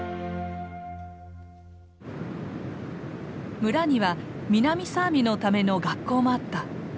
村には南サーミのための学校もあった。